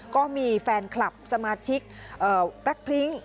ก็มีแฟนคลับสมาชิกแบล็คพลิ้ง